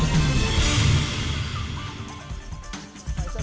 kami akan juga kembali bersajaran berikut ini